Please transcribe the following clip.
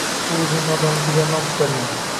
U o`zining donoligi bilan nom chiqargan